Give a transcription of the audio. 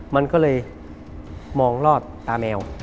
มันก็เลยมองรอดตาแมว